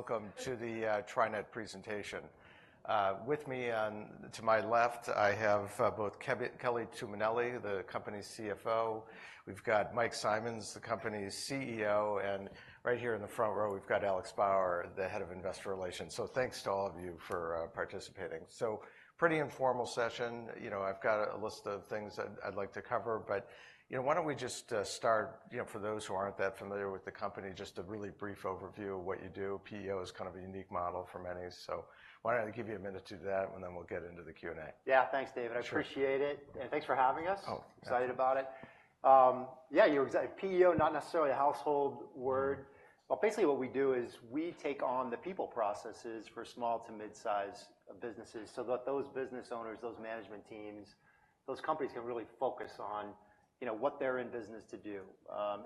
...Welcome to the TriNet presentation. With me on to my left, I have both Kelly Tuminelli, the company's CFO. We've got Mike Simonds, the company's CEO, and right here in the front row, we've got Alex Bauer, the Head of Investor Relations. So thanks to all of you for participating. So pretty informal session. You know, I've got a list of things that I'd like to cover, but, you know, why don't we just start, you know, for those who aren't that familiar with the company, just a really brief overview of what you do. PEO is kind of a unique model for many, so why don't I give you a minute to do that, and then we'll get into the Q&A? Yeah. Thanks, David. Sure. I appreciate it, and thanks for having us. Oh. Excited about it. Yeah, PEO, not necessarily a household word, but basically what we do is we take on the people processes for small to mid-size businesses, so that those business owners, those management teams, those companies can really focus on, you know, what they're in business to do,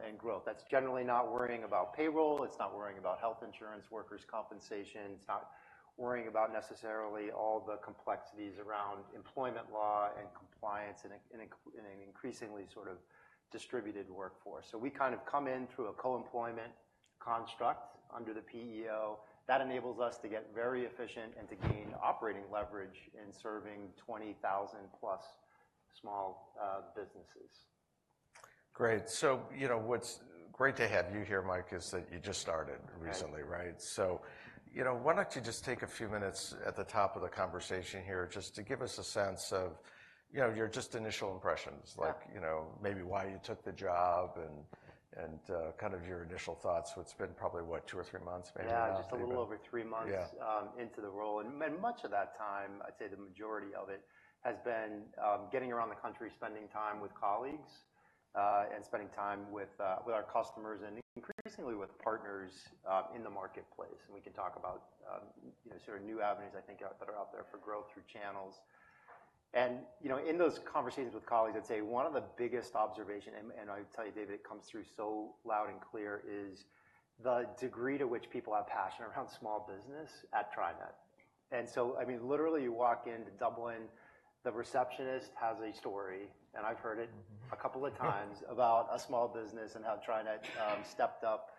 and growth. That's generally not worrying about payroll, it's not worrying about health insurance, workers' compensation. It's not worrying about necessarily all the complexities around employment law and compliance in an increasingly sort of distributed workforce. So we kind of come in through a co-employment construct under the PEO that enables us to get very efficient and to gain operating leverage in serving 20,000+ small, businesses. Great. So you know, what's great to have you here, Mike, is that you just started recently- Right. Right? So, you know, why don't you just take a few minutes at the top of the conversation here just to give us a sense of, you know, your just initial impressions. Yeah. Like, you know, maybe why you took the job and kind of your initial thoughts. So it's been probably, what? Two or three months maybe now. Yeah, just a little over three months- Yeah... into the role, and much of that time, I'd say the majority of it, has been getting around the country, spending time with colleagues, and spending time with our customers and increasingly with partners in the marketplace. And we can talk about you know, sort of new avenues, I think, that are out there for growth through channels. And, you know, in those conversations with colleagues, I'd say one of the biggest observation, and I tell you, David, it comes through so loud and clear, is the degree to which people are passionate around small business at TriNet. And so, I mean, literally, you walk into Dublin, the receptionist has a story, and I've heard it a couple of times, about a small business and how TriNet stepped up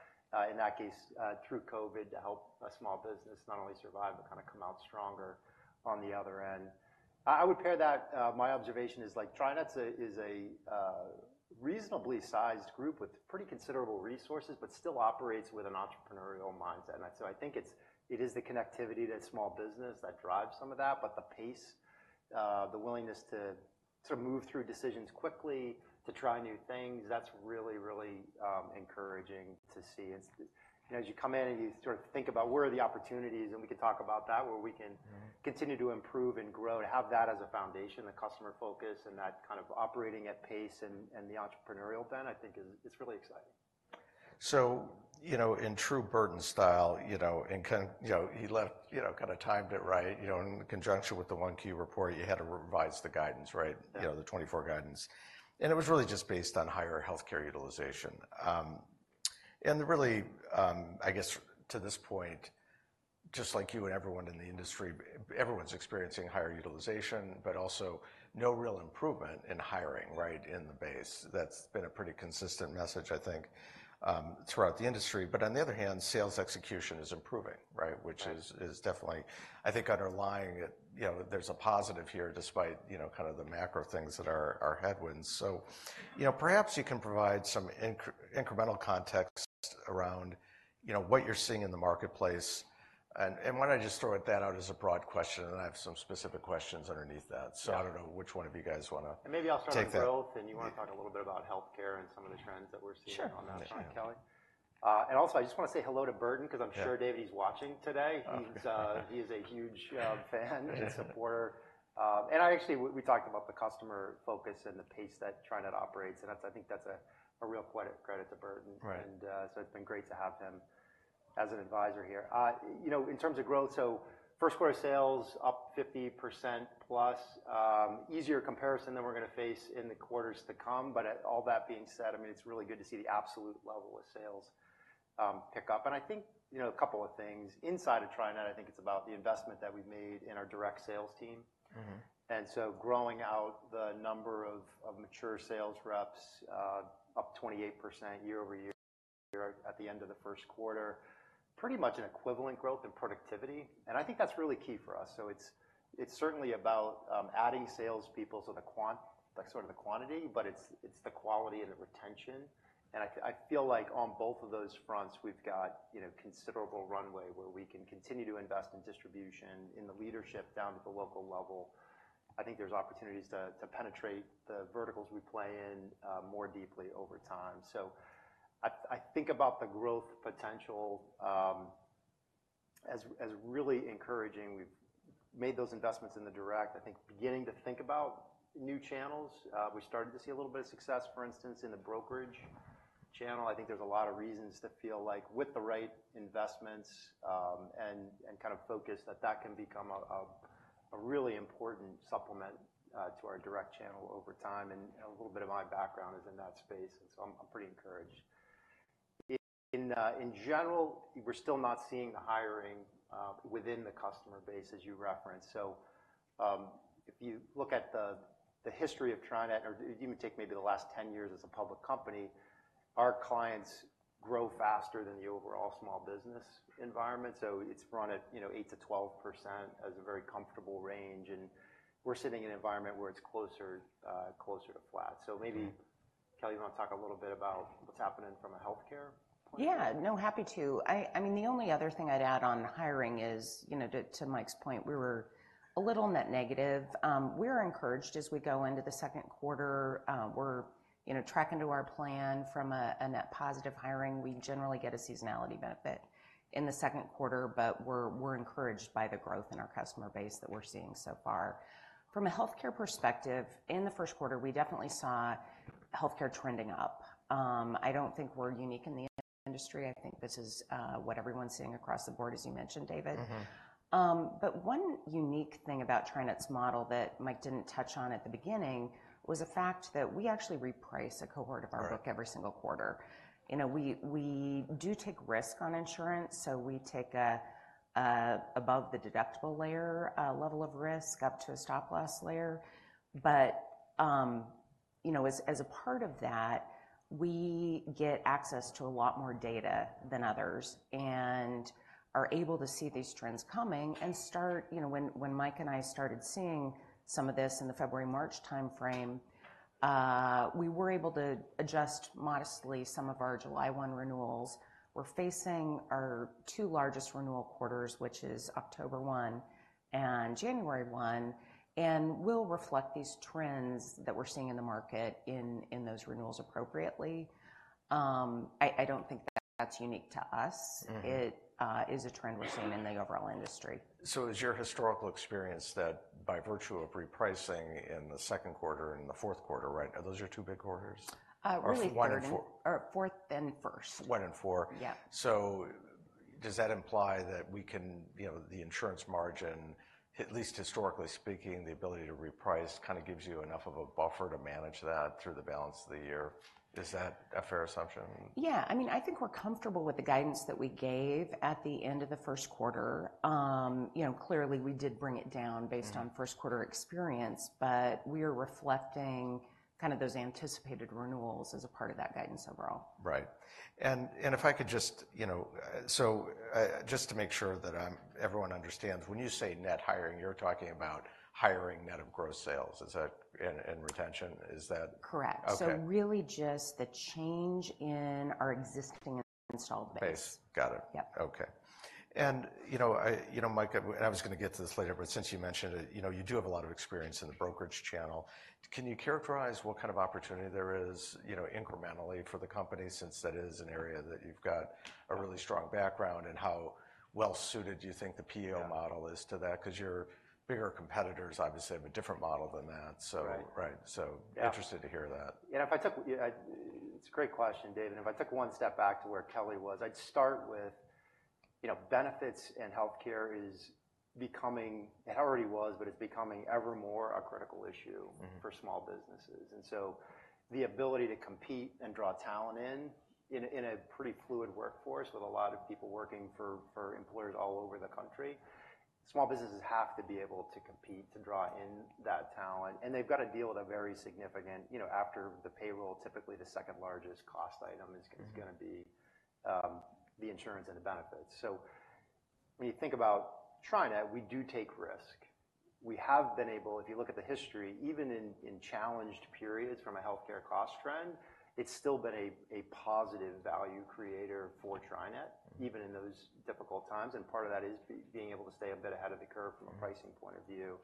in that case through COVID, to help a small business not only survive, but kind of come out stronger on the other end. I would pair that. My observation is like, TriNet's a is a reasonably sized group with pretty considerable resources, but still operates with an entrepreneurial mindset. And so I think it's- it is the connectivity to small business that drives some of that, but the pace the willingness to move through decisions quickly, to try new things, that's really, really encouraging to see. It's, you know, as you come in and you sort of think about where are the opportunities, and we can talk about that, where we can- Mm-hmm... continue to improve and grow, to have that as a foundation, the customer focus and that kind of operating at pace and the entrepreneurial bent, I think is really exciting. So, you know, in true Burton style, you know, and you know, he left, you know, kind of timed it right, you know, in conjunction with the 1Q report, you had to revise the guidance, right? Yeah. You know, the 2024 guidance. It was really just based on higher healthcare utilization. And really, I guess to this point, just like you and everyone in the industry, everyone's experiencing higher utilization, but also no real improvement in hiring, right, in the base. That's been a pretty consistent message, I think, throughout the industry. But on the other hand, sales execution is improving, right? Right. Which is definitely, I think, underlying it, you know, there's a positive here, despite, you know, kind of the macro things that are headwinds. So, you know, perhaps you can provide some incremental context around, you know, what you're seeing in the marketplace. And why don't I just throw that out as a broad question, and then I have some specific questions underneath that. Yeah. I don't know which one of you guys wanna- Maybe I'll start- Take that... with growth, and you wanna talk a little bit about healthcare and some of the trends that we're seeing- Sure... on that front, Kelly. And also, I just wanna say hello to Burton. Yeah... 'cause I'm sure, David, he's watching today. He's a huge fan and supporter. And I actually, we talked about the customer focus and the pace that TriNet operates, and that's, I think, that's a real quiet credit to Burton. Right. So it's been great to have him as an advisor here. You know, in terms of growth, so first quarter sales up 50% plus. Easier comparison than we're gonna face in the quarters to come, but all that being said, I mean, it's really good to see the absolute level of sales pick up. And I think, you know, a couple of things. Inside of TriNet, I think it's about the investment that we've made in our direct sales team. Mm-hmm. And so growing out the number of mature sales reps up 28% year-over-year at the end of the first quarter, pretty much an equivalent growth in productivity, and I think that's really key for us. So it's certainly about adding sales people, like sort of the quantity, but it's the quality and the retention. And I feel like on both of those fronts, we've got you know considerable runway where we can continue to invest in distribution, in the leadership down to the local level. I think there's opportunities to penetrate the verticals we play in more deeply over time. So I think about the growth potential as really encouraging. We've made those investments in the direct. I think, beginning to think about new channels, we're starting to see a little bit of success, for instance, in the brokerage channel. I think there's a lot of reasons to feel like, with the right investments, and kind of focus, that that can become a really important supplement to our direct channel over time. A little bit of my background is in that space, and so I'm pretty encouraged. In general, we're still not seeing the hiring within the customer base, as you referenced. If you look at the history of TriNet, or even take maybe the last 10 years as a public company, our clients grow faster than the overall small business environment. It's run at, you know, 8%-12% as a very comfortable range, and we're sitting in an environment where it's closer, closer to flat. Mm-hmm. Maybe, Kelly, you want to talk a little bit about what's happening from a healthcare point of view? Yeah. No, happy to. I mean, the only other thing I'd add on hiring is, you know, to Mike's point, we were a little net negative. We're encouraged as we go into the second quarter. We're, you know, tracking to our plan from a net positive hiring. We generally get a seasonality benefit in the second quarter, but we're encouraged by the growth in our customer base that we're seeing so far. From a healthcare perspective, in the first quarter, we definitely saw healthcare trending up. I don't think we're unique in the industry. I think this is what everyone's seeing across the board, as you mentioned, David. Mm-hmm. But one unique thing about TriNet's model that Mike didn't touch on at the beginning was the fact that we actually reprice a cohort of our- Right... book every single quarter. You know, we, we do take risk on insurance, so we take a above the deductible layer level of risk, up to a stop-loss layer. But, you know, as a part of that, we get access to a lot more data than others, and are able to see these trends coming and start... You know, when Mike and I started seeing some of this in the February, March timeframe, we were able to adjust modestly some of our July 1 renewals. We're facing our two largest renewal quarters, which is October 1 and January 1, and we'll reflect these trends that we're seeing in the market in those renewals appropriately. I don't think that's unique to us. Mm-hmm. It is a trend we're seeing in the overall industry. Is your historical experience that by virtue of repricing in the second quarter and the fourth quarter, right? Are those your two big quarters? Really third- Or 1 and 4. Or fourth and first. 1 and 4. Yeah. Does that imply that we can, you know, the insurance margin, at least historically speaking, the ability to reprice kind of gives you enough of a buffer to manage that through the balance of the year? Is that a fair assumption? Yeah. I mean, I think we're comfortable with the guidance that we gave at the end of the first quarter. You know, clearly, we did bring it down based on- Mm... first quarter experience, but we are reflecting kind of those anticipated renewals as a part of that guidance overall. Right. And if I could just, you know, so just to make sure that everyone understands, when you say net hiring, you're talking about hiring net of gross sales. Is that... and retention, is that- Correct. Okay. Really just the change in our existing installed base. Base. Got it. Yep. Okay. And, you know, you know, Mike, and I was gonna get to this later, but since you mentioned it, you know, you do have a lot of experience in the brokerage channel. Can you characterize what kind of opportunity there is, you know, incrementally for the company, since that is an area that you've got a really strong background in? How well suited do you think the PEO model is to that? Yeah. 'Cause your bigger competitors obviously have a different model than that, so- Right. Right. So- Yeah... interested to hear that. It's a great question, David, and if I took one step back to where Kelly was, I'd start with, you know, benefits and healthcare is becoming, it already was, but it's becoming ever more a critical issue. Mm-hmm... for small businesses. And so the ability to compete and draw talent in a pretty fluid workforce with a lot of people working for employers all over the country, small businesses have to be able to compete to draw in that talent, and they've got to deal with a very significant, you know, after the payroll, typically the second largest cost item is- Mm... gonna be the insurance and the benefits. So when you think about TriNet, we do take risk. We have been able, if you look at the history, even in challenged periods from a healthcare cost trend, it's still been a positive value creator for TriNet, even in those difficult times, and part of that is being able to stay a bit ahead of the curve- Mm... from a pricing point of view.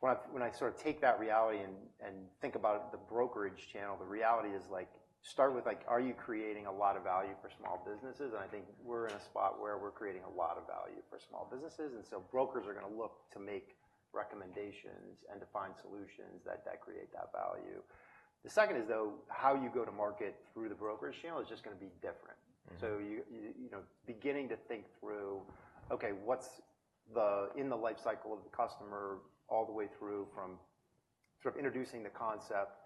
When I sort of take that reality and think about the brokerage channel, the reality is like, start with, like, are you creating a lot of value for small businesses? And I think we're in a spot where we're creating a lot of value for small businesses, and so brokers are gonna look to make recommendations and to find solutions that create that value. The second is, though, how you go to market through the brokerage channel is just gonna be different. Mm. So you know, beginning to think through, okay, what's the in the life cycle of the customer, all the way through from sort of introducing the concept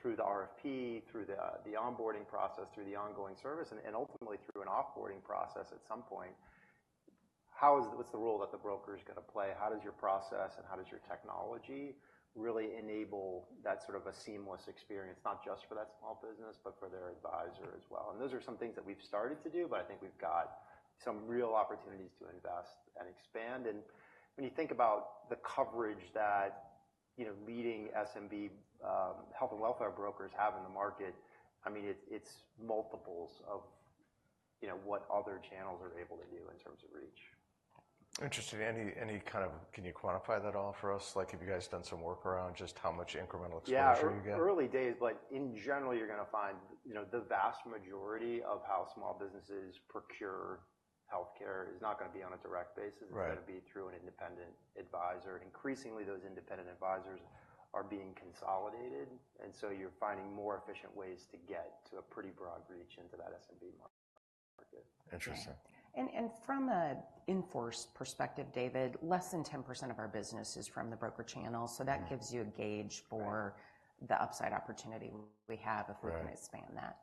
through the RFP, through the onboarding process, through the ongoing service, and ultimately through an off-boarding process at some point, how is what's the role that the broker's gonna play? How does your process and how does your technology really enable that sort of a seamless experience, not just for that small business, but for their advisor as well? And those are some things that we've started to do, but I think we've got some real opportunities to invest and expand. When you think about the coverage that, you know, leading SMB health and welfare brokers have in the market, I mean, it, it's multiples of, you know, what other channels are able to do in terms of reach. Interesting. Any kind of... Can you quantify that all for us? Like, have you guys done some work around just how much incremental exposure you get? Yeah, early days, but in general, you're gonna find, you know, the vast majority of how small businesses procure healthcare is not gonna be on a direct basis- Right... it's gonna be through an independent advisor. Increasingly, those independent advisors are being consolidated, and so you're finding more efficient ways to get to a pretty broad reach into that SMB market. Interesting. Right. And from an in-force perspective, David, less than 10% of our business is from the broker channel. Mm. So that gives you a gauge for- Right... the upside opportunity we have if we're- Right... gonna expand that....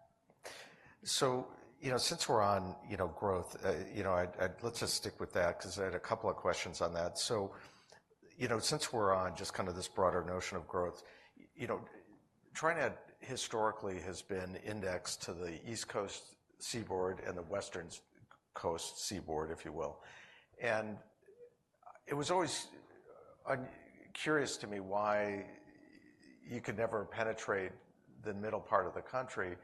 So, you know, since we're on, you know, growth, you know, let's just stick with that 'cause I had a couple of questions on that. So, you know, since we're on just kind of this broader notion of growth, you know, TriNet historically has been indexed to the East Coast seaboard and the Western Coast seaboard, if you will. And it was always curious to me why you could never penetrate the middle part of the country,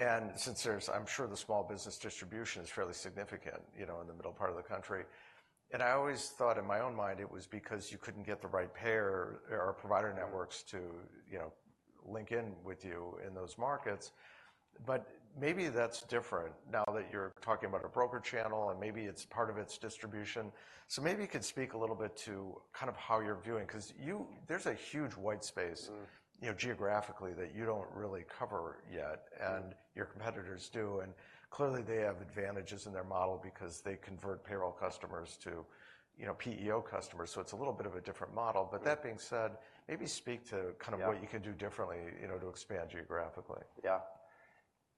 and since there's... I'm sure the small business distribution is fairly significant, you know, in the middle part of the country. And I always thought in my own mind it was because you couldn't get the right payer or provider networks to, you know, link in with you in those markets. But maybe that's different now that you're talking about a broker channel, and maybe it's part of its distribution. So maybe you could speak a little bit to kind of how you're viewing, 'cause you—there's a huge white space- Mm. you know, geographically, that you don't really cover yet, and Mm. Your competitors do, and clearly, they have advantages in their model because they convert payroll customers to, you know, PEO customers, so it's a little bit of a different model. Mm. But that being said, maybe speak to- Yeah Kind of what you can do differently, you know, to expand geographically. Yeah.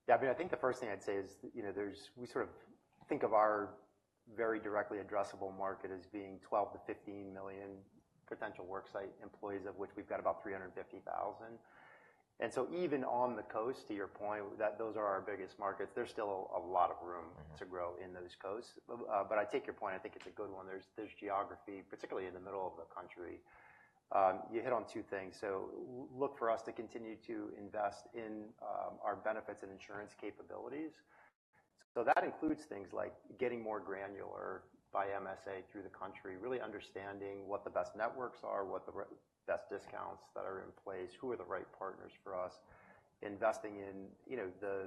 Yeah, I mean, I think the first thing I'd say is, you know, there's-- we sort of think of our very directly addressable market as being 12-15 million potential work site employees, of which we've got about 350,000. And so even on the coast, to your point, that those are our biggest markets, there's still a lot of room- Mm-hmm -to grow in those coasts. But I take your point. I think it's a good one. There's geography, particularly in the middle of the country. You hit on two things, so look for us to continue to invest in our benefits and insurance capabilities. So that includes things like getting more granular by MSA through the country, really understanding what the best networks are, what the best discounts that are in place, who are the right partners for us, investing in, you know, the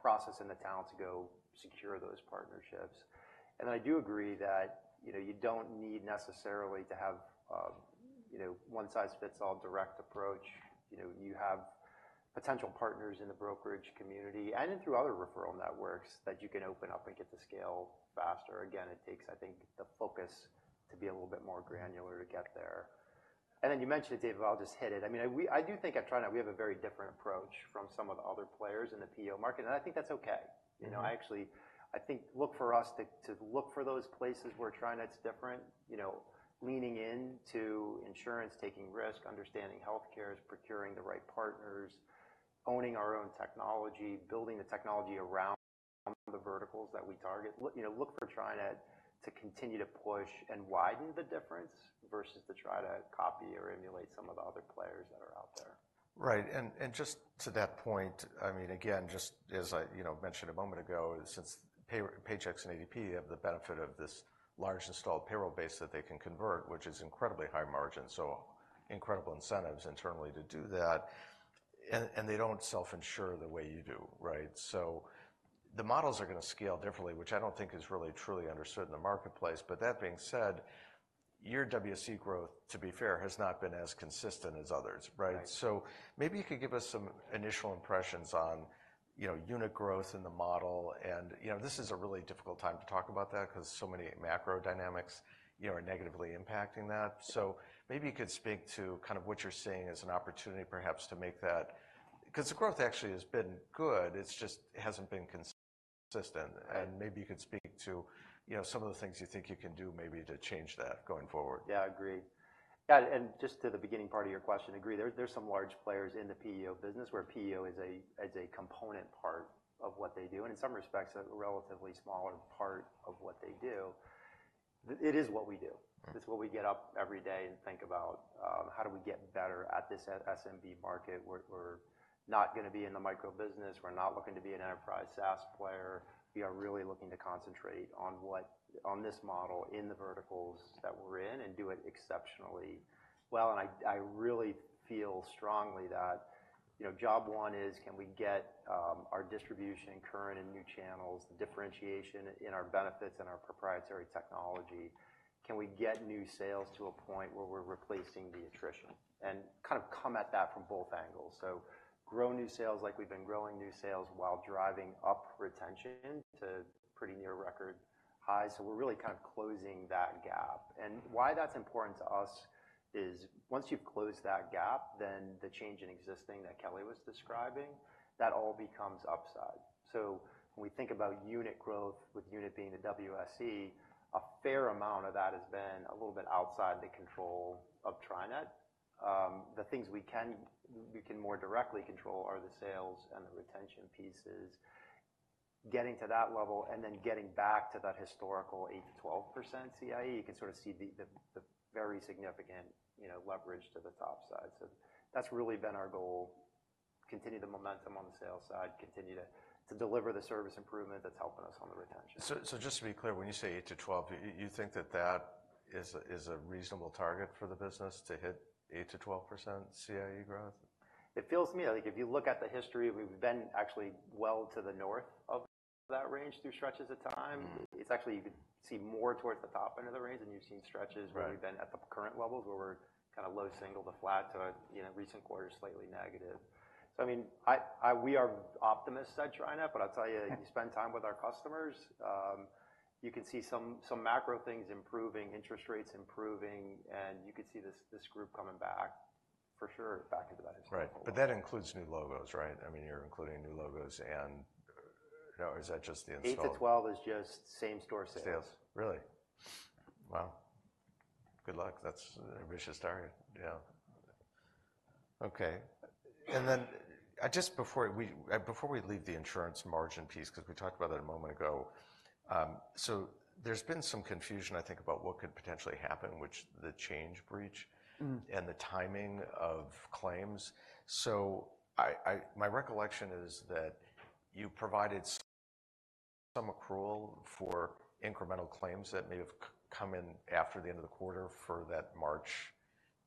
process and the talent to go secure those partnerships. And I do agree that, you know, you don't need necessarily to have, you know, one size fits all direct approach. You know, you have potential partners in the brokerage community and in through other referral networks that you can open up and get to scale faster. Again, it takes, I think, the focus to be a little bit more granular to get there. And then you mentioned it, David, I'll just hit it. I mean, I do think at TriNet we have a very different approach from some of the other players in the PEO market, and I think that's okay. Mm-hmm. You know, I actually... I think look for us to look for those places where TriNet's different. You know, leaning into insurance, taking risk, understanding healthcare, procuring the right partners, owning our own technology, building the technology around the verticals that we target. Look, you know, look for TriNet to continue to push and widen the difference versus to try to copy or emulate some of the other players that are out there. Right. And just to that point, I mean, again, just as I, you know, mentioned a moment ago, since Paychex and ADP have the benefit of this large installed payroll base that they can convert, which is incredibly high margin, so incredible incentives internally to do that, and they don't self-insure the way you do, right? So the models are gonna scale differently, which I don't think is really truly understood in the marketplace. But that being said, your WSE growth, to be fair, has not been as consistent as others, right? Right. So maybe you could give us some initial impressions on, you know, unit growth in the model, and, you know, this is a really difficult time to talk about that 'cause so many macro dynamics, you know, are negatively impacting that. So maybe you could speak to kind of what you're seeing as an opportunity, perhaps to make that... 'Cause the growth actually has been good, it's just hasn't been consistent. Right. Maybe you could speak to, you know, some of the things you think you can do, maybe to change that going forward. Yeah, I agree. Yeah, and just to the beginning part of your question, I agree, there are some large players in the PEO business, where PEO is a component part of what they do, and in some respects, a relatively smaller part of what they do. It is what we do. Mm. It's what we get up every day and think about, how do we get better at this SMB market? We're not gonna be in the micro business. We're not looking to be an enterprise SaaS player. We are really looking to concentrate on this model in the verticals that we're in, and do it exceptionally well. I really feel strongly that, you know, job one is, can we get our distribution in current and new channels, the differentiation in our benefits and our proprietary technology? Can we get new sales to a point where we're replacing the attrition? And kind of come at that from both angles. Grow new sales like we've been growing new sales while driving up retention to pretty near record highs. So we're really kind of closing that gap, and why that's important to us is once you've closed that gap, then the change in existing that Kelly was describing, that all becomes upside. So when we think about unit growth, with unit being a WSE, a fair amount of that has been a little bit outside the control of TriNet. The things we can more directly control are the sales and the retention pieces. Getting to that level, and then getting back to that historical 8%-12% CIE, you can sort of see the very significant, you know, leverage to the top side. So that's really been our goal: continue the momentum on the sales side, continue to deliver the service improvement that's helping us on the retention. So, just to be clear, when you say 8-12, you think that that is a reasonable target for the business, to hit 8%-12% CIE growth? It feels to me... like, if you look at the history, we've been actually well to the north of that range through stretches of time. Mm-hmm. It's actually, you could see more towards the top end of the range, and you've seen stretches- Right... where we've been at the current levels, where we're kind of low single to flat, to, you know, recent quarters, slightly negative. So, I mean, we are optimists at TriNet, but I'll tell you, if you spend time with our customers, you can see some macro things improving, interest rates improving, and you could see this group coming back for sure, back into that historical- Right. But that includes new logos, right? I mean, you're including new logos and... No, or is that just the installed? 8-12 is just same-store sales. Sales. Really? Wow! Good luck. That's an ambitious target. Yeah. Okay. And then, just before we, before we leave the insurance margin piece, 'cause we talked about that a moment ago. So there's been some confusion, I think, about what could potentially happen, which the Change breach- Mm. -and the timing of claims. So my recollection is that you provided some accrual for incremental claims that may have come in after the end of the quarter for that March,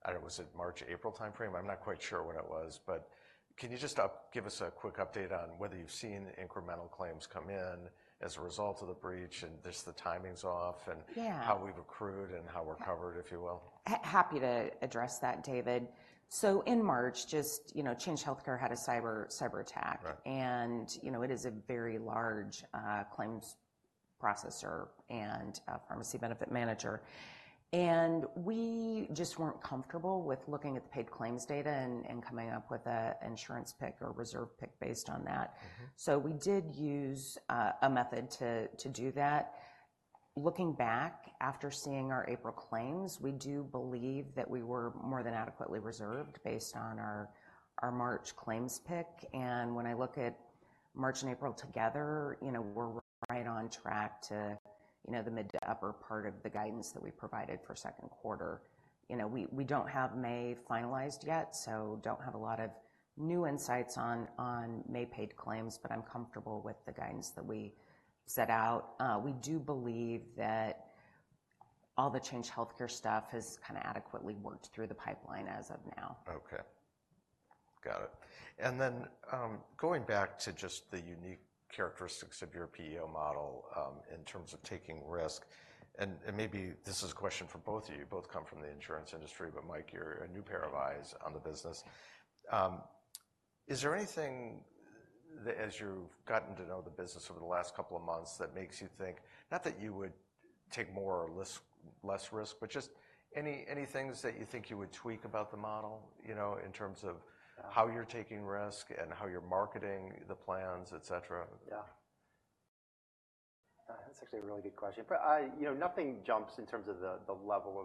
I don't know, was it March, April time frame? I'm not quite sure when it was, but can you just give us a quick update on whether you've seen the incremental claims come in as a result of the breach, and just the timing's off, and- Yeah. how we've accrued and how we're covered, if you will? Happy to address that, David. So in March, just, you know, Change Healthcare had a cyberattack. Right. You know, it is a very large claims processor and pharmacy benefit manager. We just weren't comfortable with looking at the paid claims data and coming up with an insurance pick or reserve pick based on that. Mm-hmm. So we did use a method to do that. Looking back, after seeing our April claims, we do believe that we were more than adequately reserved based on our March claims pick. And when I look at March and April together, you know, we're right on track to, you know, the mid to upper part of the guidance that we provided for second quarter. You know, we don't have May finalized yet, so don't have a lot of new insights on May paid claims, but I'm comfortable with the guidance that we set out. We do believe that all the Change Healthcare stuff has kinda adequately worked through the pipeline as of now. Okay. Got it. And then, going back to just the unique characteristics of your PEO model, in terms of taking risk, and, and maybe this is a question for both of you. You both come from the insurance industry, but Mike, you're a new pair of eyes on the business. Is there anything that as you've gotten to know the business over the last couple of months, that makes you think, not that you would take more or less, less risk, but just any, any things that you think you would tweak about the model, you know, in terms of- Yeah... how you're taking risk and how you're marketing the plans, et cetera? Yeah. That's actually a really good question. But I, you know, nothing jumps in terms of the level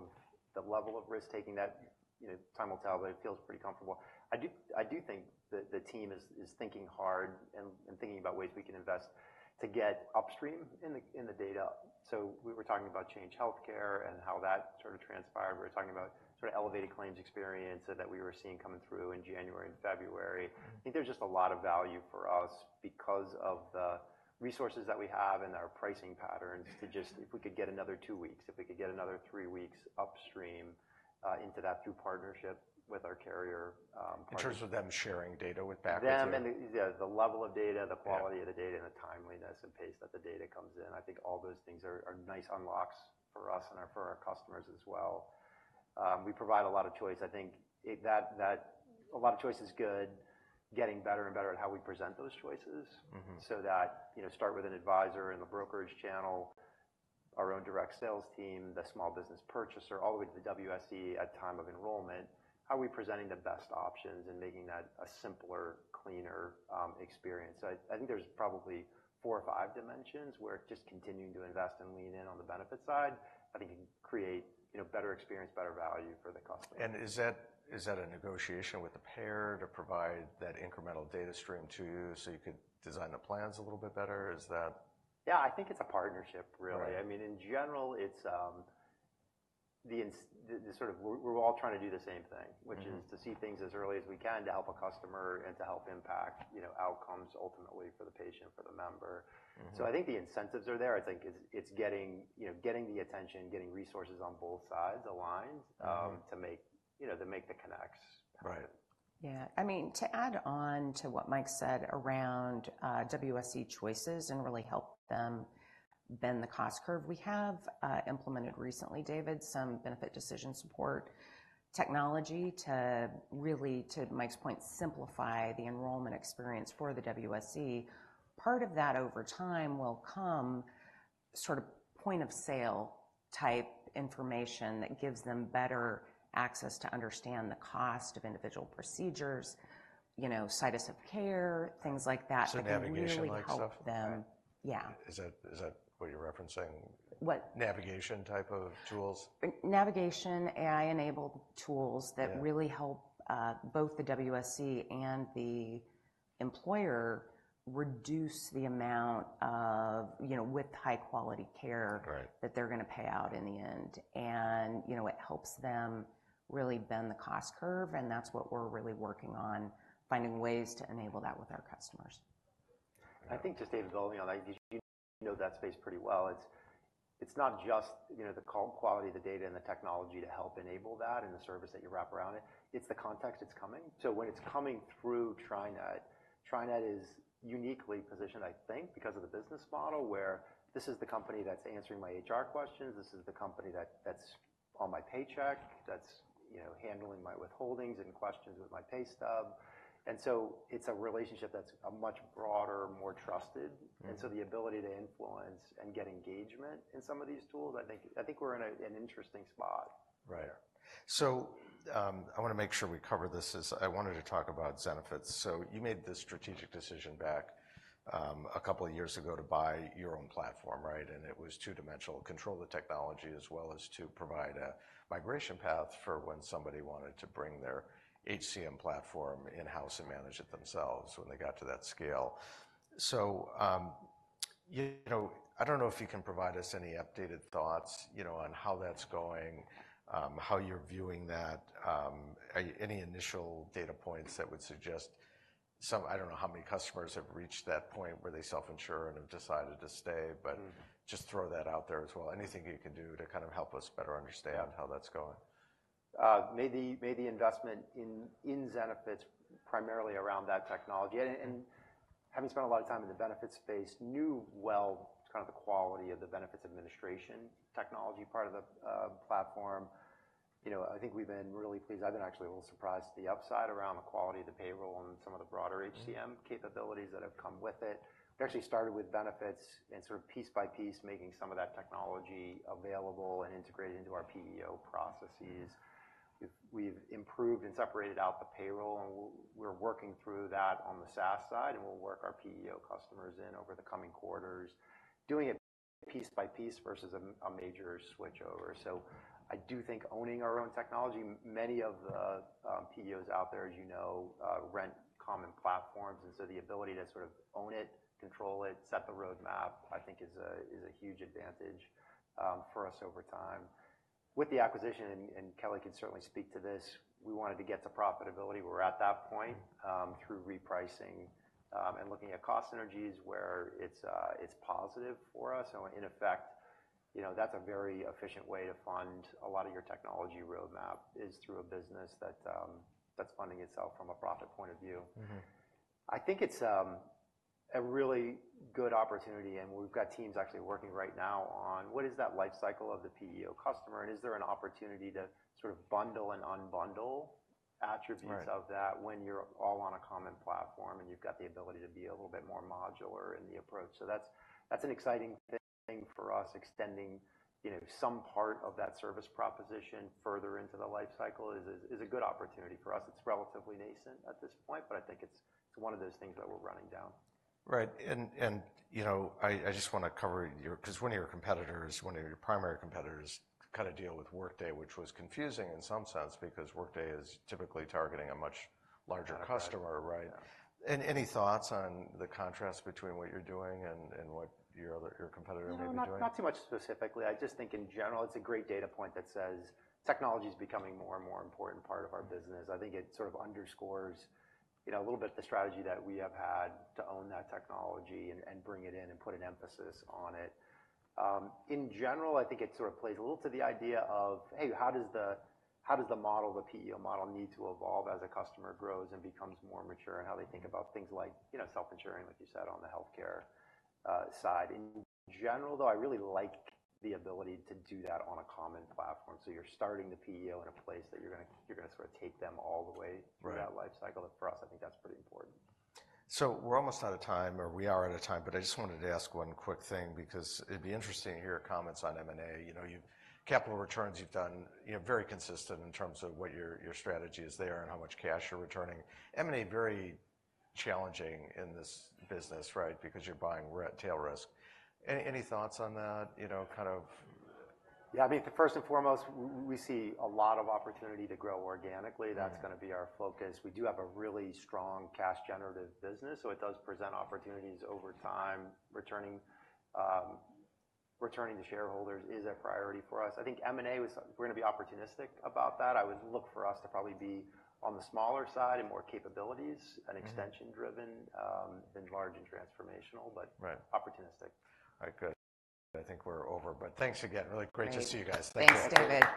of risk-taking that, you know, time will tell, but it feels pretty comfortable. I do think that the team is thinking hard and thinking about ways we can invest to get upstream in the data. So we were talking about Change Healthcare and how that sort of transpired. We're talking about sort of elevated claims experience that we were seeing coming through in January and February. Mm-hmm. I think there's just a lot of value for us because of the resources that we have and our pricing patterns to just... If we could get another two weeks, if we could get another three weeks upstream, into that through partnership with our carrier, partners. In terms of them sharing data back with you? the level of data- Yeah... the quality of the data, and the timeliness and pace that the data comes in. I think all those things are nice unlocks for us and for our customers as well. We provide a lot of choice. I think that a lot of choice is good, getting better and better at how we present those choices. Mm-hmm. So that, you know, start with an advisor in the brokerage channel, our own direct sales team, the small business purchaser, all the way to the WSE at time of enrollment. How are we presenting the best options and making that a simpler, cleaner, experience? I think there's probably four or five dimensions. We're just continuing to invest and lean in on the benefit side. I think it can create, you know, better experience, better value for the customer. Is that, is that a negotiation with the payer to provide that incremental data stream to you, so you could design the plans a little bit better? Is that... Yeah, I think it's a partnership, really. Right. I mean, in general, it's the sort of we're all trying to do the same thing- Mm-hmm... which is to see things as early as we can to help a customer and to help impact, you know, outcomes ultimately for the patient, for the member. Mm-hmm. I think the incentives are there. I think it's getting, you know, getting the attention, getting resources on both sides aligned. Mm-hmm... to make, you know, to make the connects. Right. Yeah. I mean, to add on to what Mike said around WSE choices and really help them bend the cost curve, we have implemented recently, David, some benefit decision support technology to really, to Mike's point, simplify the enrollment experience for the WSE. Part of that over time will come sort of point of sale type information that gives them better access to understand the cost of individual procedures, you know, sites of care, things like that- Navigation-like stuff.... to really help them. Yeah. Is that, is that what you're referencing? What? Navigation type of tools. Navigation, AI-enabled tools- Yeah... that really help, both the WSE and the employer reduce the amount of, you know, with high-quality care- Right... that they're gonna pay out in the end, and, you know, it helps them really bend the cost curve, and that's what we're really working on, finding ways to enable that with our customers. Right. I think just, David, you know, like you know that space pretty well. It's not just, you know, the call quality of the data and the technology to help enable that and the service that you wrap around it. It's the context it's coming. So when it's coming through TriNet, TriNet is uniquely positioned, I think, because of the business model, where this is the company that's answering my HR questions. This is the company that's on my paycheck, that's, you know, handling my withholdings and questions with my pay stub. And so it's a relationship that's a much broader, more trusted. Mm-hmm. And so the ability to influence and get engagement in some of these tools, I think, I think we're in a, an interesting spot. Right. So, I want to make sure we cover this as I wanted to talk about Zenefits. So you made this strategic decision back, a couple of years ago to buy your own platform, right? And it was two-dimensional: control the technology, as well as to provide a migration path for when somebody wanted to bring their HCM platform in-house and manage it themselves when they got to that scale. So, you know, I don't know if you can provide us any updated thoughts, you know, on how that's going, how you're viewing that, any initial data points that would suggest some, I don't know how many customers have reached that point where they self-insure and have decided to stay, but- Mm-hmm. Just throw that out there as well. Anything you can do to kind of help us better understand how that's going. Made the investment in Zenefits primarily around that technology, and having spent a lot of time in the benefits space, knew well kind of the quality of the benefits administration technology part of the platform. You know, I think we've been really pleased. I've been actually a little surprised at the upside around the quality of the payroll and some of the broader HCM- Mm-hmm -capabilities that have come with it. We actually started with benefits and sort of piece by piece, making some of that technology available and integrated into our PEO processes. We've improved and separated out the payroll, and we're working through that on the SaaS side, and we'll work our PEO customers in over the coming quarters. Doing it piece by piece versus a major switchover. So I do think owning our own technology, many of the PEOs out there, as you know, rent common platforms, and so the ability to sort of own it, control it, set the roadmap, I think is a huge advantage for us over time. With the acquisition, and Kelly can certainly speak to this, we wanted to get to profitability. We're at that point, through repricing, and looking at cost synergies where it's positive for us. So in effect, you know, that's a very efficient way to fund a lot of your technology roadmap, is through a business that's funding itself from a profit point of view. Mm-hmm. I think it's a really good opportunity, and we've got teams actually working right now on what is that life cycle of the PEO customer, and is there an opportunity to sort of bundle and unbundle attributes- Right of that when you're all on a common platform, and you've got the ability to be a little bit more modular in the approach? So that's, that's an exciting thing for us, extending, you know, some part of that service proposition further into the life cycle is a, is a good opportunity for us. It's relatively nascent at this point, but I think it's one of those things that we're running down. Right. And, you know, I just want to cover your—'cause one of your competitors, one of your primary competitors, cut a deal with Workday, which was confusing in some sense because Workday is typically targeting a much larger customer, right? Yeah. Any thoughts on the contrast between what you're doing and what your competitor may be doing? No, not, not too much specifically. I just think in general, it's a great data point that says technology is becoming more and more important part of our business. I think it sort of underscores, you know, a little bit the strategy that we have had to own that technology and, and bring it in and put an emphasis on it. In general, I think it sort of plays a little to the idea of, hey, how does the, how does the model, the PEO model, need to evolve as a customer grows and becomes more mature in how they think about things like, you know, self-insuring, like you said, on the healthcare, side. In general, though, I really like the ability to do that on a common platform. So you're starting the PEO in a place that you're gonna sort of take them all the way- Right through that life cycle. For us, I think that's pretty important. So we're almost out of time, or we are out of time, but I just wanted to ask one quick thing because it'd be interesting to hear your comments on M&A. You know, you've done capital returns, you've done, you know, very consistent in terms of what your strategy is there and how much cash you're returning. M&A, very challenging in this business, right? Because you're buying tail risk. Any thoughts on that, you know, kind of... Yeah, I mean, first and foremost, we see a lot of opportunity to grow organically. Yeah. That's gonna be our focus. We do have a really strong cash generative business, so it does present opportunities over time. Returning, returning to shareholders is a priority for us. I think M&A, we're gonna be opportunistic about that. I would look for us to probably be on the smaller side and more capabilities- Mm-hmm -an extension driven, than large and transformational, but- Right - opportunistic. All right, good. I think we're over, but thanks again. Really great to see you guys. Thanks, David.